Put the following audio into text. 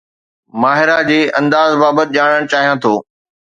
ماهرا جي انداز بابت ڄاڻڻ چاهيان ٿو